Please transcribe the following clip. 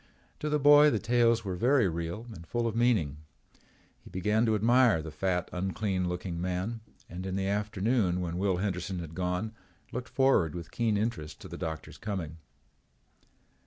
To the boy the tales were very real and full of meaning. He began to admire the fat unclean looking man and, in the afternoon when Will Henderson had gone, looked forward with keen interest to the doctor's coming.